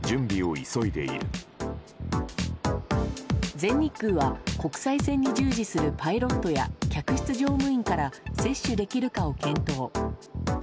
全日空は、国際線に従事するパイロットや客室乗務員から接種できるかを検討。